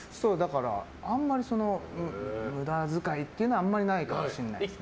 あんまり無駄遣いっていうのはあんまりないかもしれないですね。